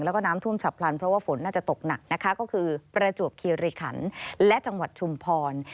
แล้วก็น้ำท่วมฉับพลันเพราะว่าฝนน่าจะตกหนักนะคะก็คือประจวบคิริขันและจังหวัดชุมพร